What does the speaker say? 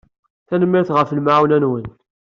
Tanemmirt ɣef lemɛawna-nwen.